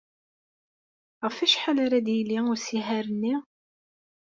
Ɣef wacḥal ara d-yili usihaṛ-nni?